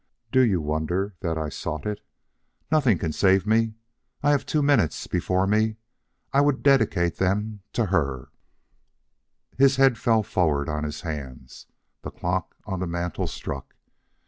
"Do you wonder that I sought it? Nothing can save me. I have two minutes before me. I would dedicate them to her." His head fell forward on his hands. The clock on the mantel struck.